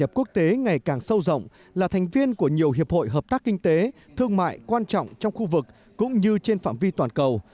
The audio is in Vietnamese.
hợp quốc tế ngày càng sâu rộng là thành viên của nhiều hiệp hội hợp tác kinh tế thương mại quan trọng trong khu vực cũng như trên phạm vi toàn cầu